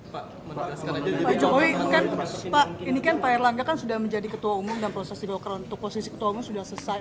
pak ini kan pak erlangga kan sudah menjadi ketua umum dan proses di gulkar untuk posisi ketua umum sudah selesai